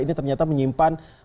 ini ternyata menyimpan